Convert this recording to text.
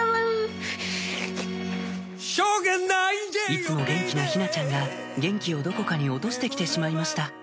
いつも元気な陽菜ちゃんが元気をどこかに落として来てしまいました